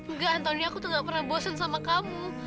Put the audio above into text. enggak anthony aku tuh nggak pernah bosan sama kamu